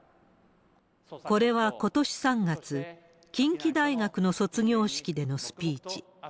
これはことし３月、近畿大学の卒業式でのスピーチ。